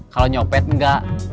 kalau nyopet nggak